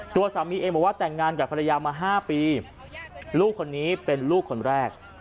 ตัวสามีเองบอกว่าแต่งงานกับภรรยามา๕ปีลูกคนนี้เป็นลูกคนแรก